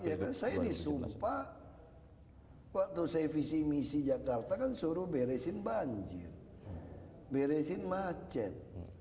ya kan saya disumpah waktu saya visi misi jakarta kan suruh beresin banjir beresin macet